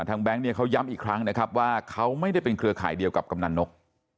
ทางแบงค์เขาย้ำอีกครั้งว่าเขาไม่ได้เป็นเครือข่ายเดียวกับกำนักนก